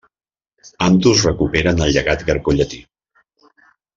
Ambdós recuperen el llegat grecollatí.